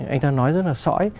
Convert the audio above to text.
anh ta nói rất là sõi